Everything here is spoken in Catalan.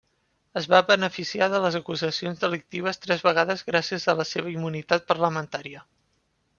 Es va beneficiar de les acusacions delictives tres vegades gràcies a la seva immunitat parlamentària.